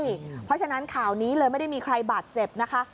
เพราะฉะนั้นข่าวนี้เลยไม่ได้มีใครบาดเจ็บนะคะ